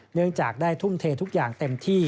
เนื่องจากได้ทุ่มเททุกอย่างเต็มที่